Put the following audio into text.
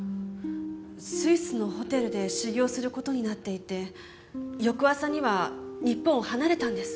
スイスのホテルで修業する事になっていて翌朝には日本を離れたんです。